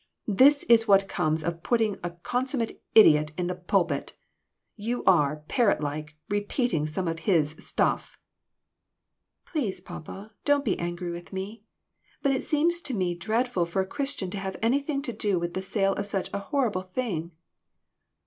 "This is what comes of putting a consummate idiot in the pulpit. You are, parrot like, repeating some of his stuff." " Please, papa, don't be angry with me ; but it seems to me dreadful for a Christian to have any thing to do with the sale of such a horrible thing!